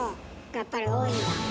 やっぱり多いんだ。